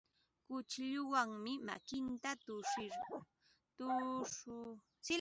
Kuchilluwanmi makinta tukshikurqun.